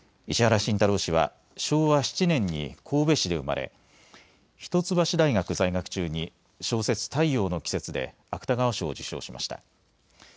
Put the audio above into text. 石原慎太郎氏は昭和７年に神戸市で生まれ一橋大学在学中に小説、太陽の季節で芥川賞を受賞しました。